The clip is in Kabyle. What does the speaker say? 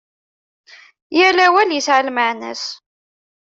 Yal awal yesεa lmeεna-s.